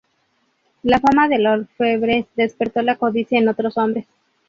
La fama del orfebre despertó la codicia en otros hombres.